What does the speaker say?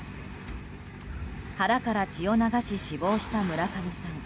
腹から血を流し死亡した村上さん。